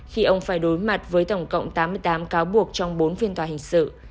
khi ông phải đối mặt với tổng cộng tám mươi tám cáo buộc trong bốn phiên tòa hình sự